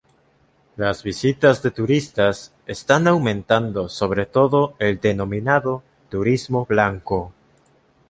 Las visitas de turistas están aumentando sobre todo el denominado turismo blanco.